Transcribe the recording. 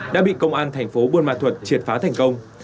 đã bị công an thành phố buôn ma thuật triệt phá thành công